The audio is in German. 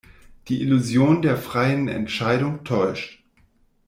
Die Illusion der freien Entscheidung täuscht.